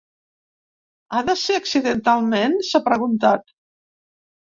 Ha de ser accidentalment?, s’ha preguntat.